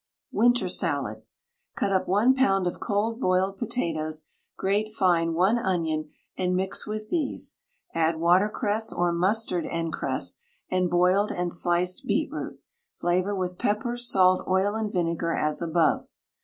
WINTER SALAD. Cut up 1 lb. of cold boiled potatoes, grate fine 1 onion and mix with these, add watercress, or mustard and cress, and boiled and sliced beetroot; flavour with pepper, salt, oil, and vinegar as above.